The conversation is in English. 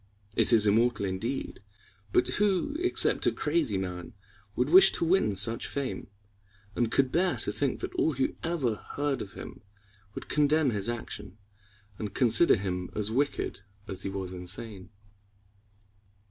It is immortal indeed, but who except a crazy man would wish to win such fame, and could bear to think that all who ever heard of him would condemn his action, and consider him as wicked as he was insane?